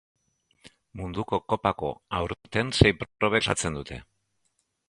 Munduko kopako aurten sei probek osatzen dute.